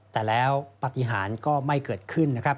แต่แล้วปฏิหารก็ไม่เกิดขึ้น